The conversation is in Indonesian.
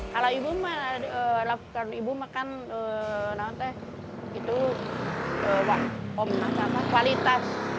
kalau ibu makan itu kualitas